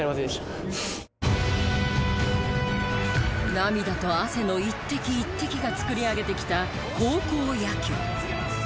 涙と汗の一滴一滴が作り上げてきた高校野球。